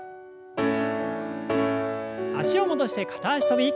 脚を戻して片脚跳び。